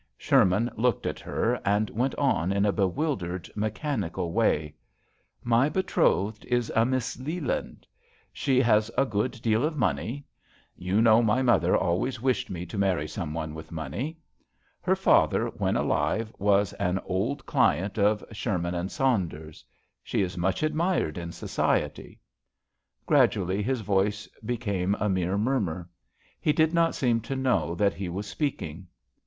Sherman looked at her, and went on in a bewildered, me chanical way "My betrothed is a Miss Leland. She has a good deal of money. You know my mother always wished me to marry some one with money. Her father, when alive, was an old client of Sherman and JOHN SHERMAN. 93 Saunders. She is much admired in society." Gradually his voice became a mere murmur. He did not seem to know that he was speaking.